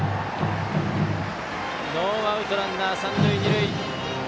ノーアウトランナー、三塁二塁。